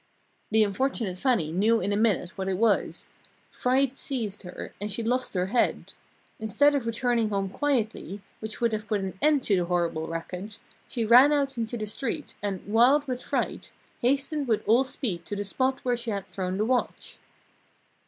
The unfortunate Fannie knew in a minute what it was. Fright seized her, and she lost her head. Instead of returning home quietly, which would have put an end to the horrible racket, she ran out into the street, and, wild with fright, hastened with all speed to the spot where she had thrown the watch.